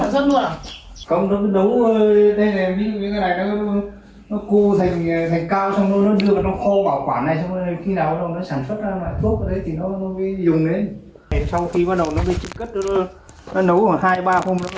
sau khi bắt đầu nó bị trực cất nó nấu khoảng hai ba hôm